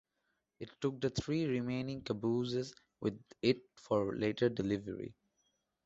It took the three remaining cabooses with it for later delivery.